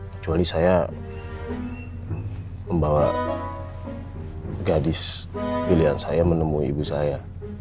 kecuali saya membawa gadis pilihan saya menemui ibu saya